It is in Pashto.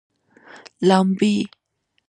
لامبي